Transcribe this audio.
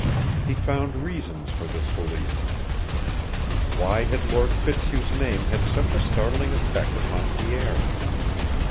He found reasons for this belief. Why had Lord Fitzhugh's name had such a startling effect upon Pierre?